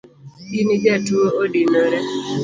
It jatuo odinore